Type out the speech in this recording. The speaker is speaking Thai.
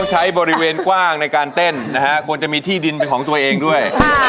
ใช้บริเวณกว้างในการเต้นนะฮะควรจะมีที่ดินเป็นของตัวเองด้วย